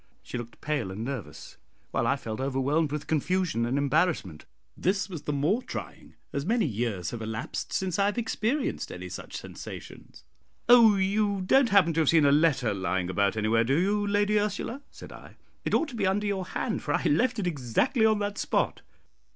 She looked pale and nervous, while I felt overwhelmed with confusion and embarrassment. This was the more trying, as many years have elapsed since I have experienced any such sensations. "Oh, you don't happen to have seen a letter lying about anywhere, do you, Lady Ursula?" said I. "It ought to be under your hand, for I left it exactly on that spot."